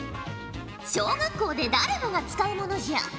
小学校で誰もが使うものじゃ。